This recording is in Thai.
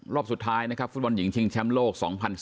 รอบสุดท้ายนะครับฟุตบอลหญิงชิงแชมป์โลก๒๐๑๘